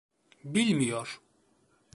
Bilmiyor.